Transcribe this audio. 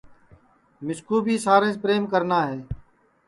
کہ مِسکُو بھی ساریںٚس پریم کرنا ہے